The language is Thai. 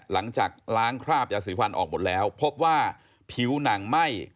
หลังจากล้างคราบยาสีฟันออกหมดแล้วพบว่าผิวหนังไหม้